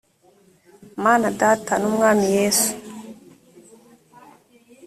mana data n umwami yesu